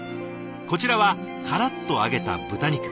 こちらはからっと揚げた豚肉。